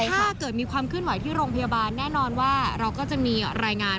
ถ้าเกิดมีความเคลื่อนไหวที่โรงพยาบาลแน่นอนว่าเราก็จะมีรายงาน